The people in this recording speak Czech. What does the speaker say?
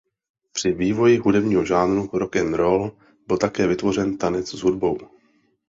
Při vývoji hudebního žánru rock and roll byl také vytvořen tanec s hudbou.